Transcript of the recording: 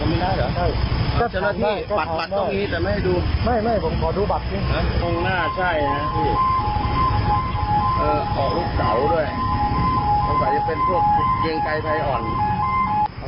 เอาลูกเทศเอาลูกหลายด้วยนะเออหือหือนะขอบคุณมากมาก